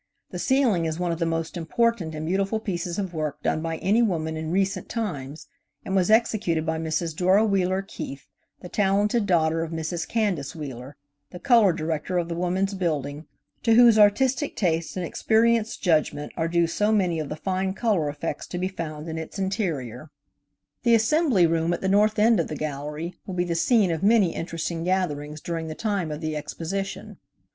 The ceiling is one of the most important and beautiful pieces of work done by any woman in recent times, and was executed by Mrs. Dora Wheeler Keith, the talented daughter of Mrs. Candace Wheeler, the color director of the Woman's Building, to whose artistic taste and experi enced judgment are due so many of the fine color effects to be found in its interior. GROUP ON WOMAN'S BUILDING. The Assembly room at the north end of the gallery will be the scene of many interesting gatherings during the time of the Exposition.